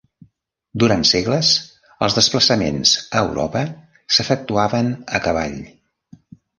Durant segles els desplaçaments a Europa s'efectuaven a cavall.